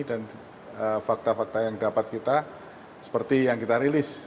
dan fakta fakta yang dapat kita seperti yang kita rilis